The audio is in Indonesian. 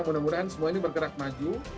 mudah mudahan semua ini bergerak maju